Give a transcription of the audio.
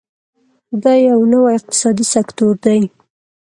دا یو نوی اقتصادي سکتور دی.